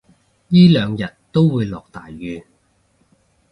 依兩日都會落大雨